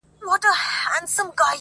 څه به وايي دا مخلوق او عالمونه؟!!